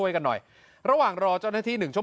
ยืนหาเธอ